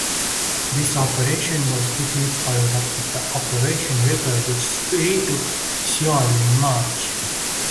This operation was quickly followed up with Operation Ripper, which retook Seoul in March.